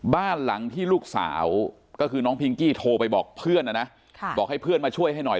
บ้านหลังที่ลูกสาวก็คือน้องพิงกี้โทรไปบอกเพื่อนนะนะบอกให้เพื่อนมาช่วยให้หน่อย